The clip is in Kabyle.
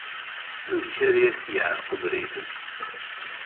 Amek ay as-yeɛreq ubrid?